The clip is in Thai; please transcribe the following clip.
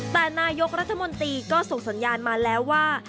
แต่นายกรัฐมนตรีก็ส่งสัญญาณมาแล้วว่า